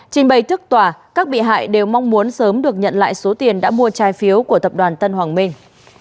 trình bày thức tòa các bị hại đều mong muốn sớm được nhận lại số tiền đã mua trái phiếu của tập đoàn tân hoàng minh